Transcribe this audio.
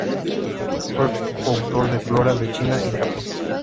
Fue coautor de "Flora de China", y de Japón.